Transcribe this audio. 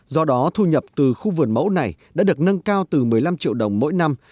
do đó thu nhập từ khu vườn mẫu này đã được nâng cao từ một mươi năm triệu đồng mỗi năm